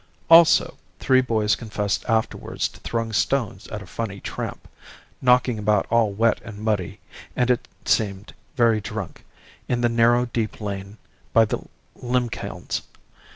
Also three boys confessed afterwards to throwing stones at a funny tramp, knocking about all wet and muddy, and, it seemed, very drunk, in the narrow deep lane by the limekilns.